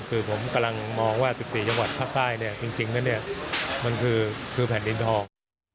คือผมกำลังมองว่า๑๔จังหวัดภาคใต้จริงแล้วเนี่ยมันคือแผ่นดินทอง